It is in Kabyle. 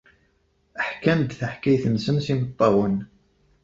Ḥkan-d taḥkayt-nsen s yimeṭṭawen.